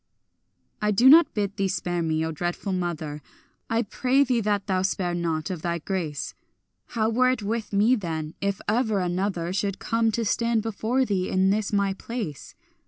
I do not bid thee spare me, O dreadful mother! I pray thee that thou spare not, of thy grace. How were it with me then, if ever another Should come to stand before thee in this my place?